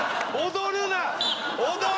踊るな！